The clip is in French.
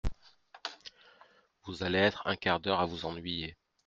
Vous allez être un quart d’heure à vous ennuyer.